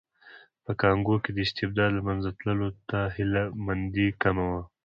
په کانګو کې د استبداد له منځه تلو ته هیله مندي کمه وه.